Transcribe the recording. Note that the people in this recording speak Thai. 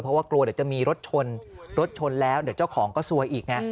เพราะว่ากลัวเดี๋ยวจะมีรถชนรถชนแล้วเดี๋ยวเจ้าของก็ซวยอีกไง